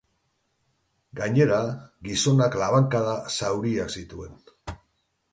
Gainera, gizonak labankada zauriak zituen.